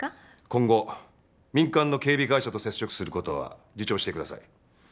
今後民間の警備会社と接触する事は自重してください。